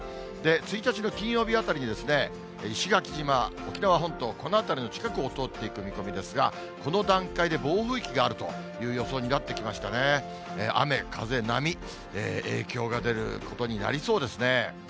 １日の金曜日あたりに石垣島、沖縄本島、この辺りの近くを通っていく見込みですが、この段階で暴風域があるという予想になってきましたね、雨、風、波、影響が出ることになりそうですね。